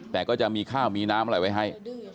แต่ก็จะมีข้าวมีน้ำอะไรไว้ให้